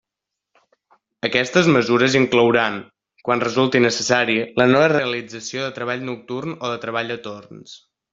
Aquestes mesures inclouran, quan resulti necessari, la no realització de treball nocturn o de treball a torns.